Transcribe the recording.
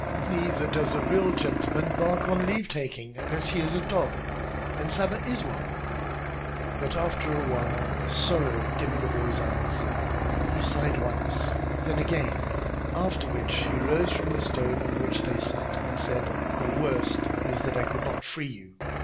"Neither does a real gentleman bark on leave taking unless he is a dog, and Saba is one." But after a while sorrow dimmed the boy's eyes; he sighed once, then again; after which he rose from the stone on which they sat and said: "The worst is that I could not free you."